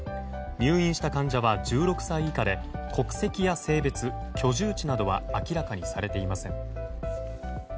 入院した患者は１６歳以下で国籍や性別、居住地などは明らかにされていません。